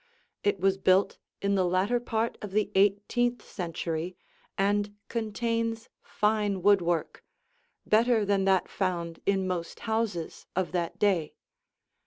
It was built in the latter part of the eighteenth century and contains fine woodwork, better than that found in most houses of that day.